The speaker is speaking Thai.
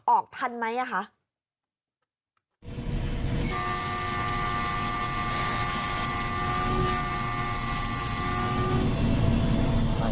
ออกทันไหมอ่ะคะ